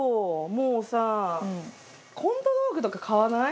もうさ。